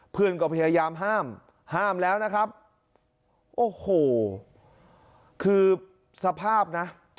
เพื่อนก็พยายามห้ามห้ามแล้วนะครับโอ้โหคือสภาพนะ